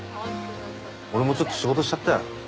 俺もちょっと仕事しちゃったよ。